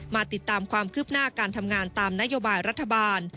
มาติดตามความคืบหน้าการทำงานตามนโยบายรัฐบาล